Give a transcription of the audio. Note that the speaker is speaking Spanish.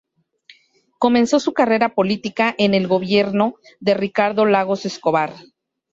Comenzó su carrera política en el gobierno de Ricardo Lagos Escobar.